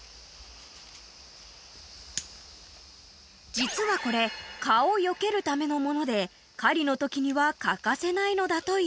［実はこれ蚊をよけるためのもので狩りのときには欠かせないのだという］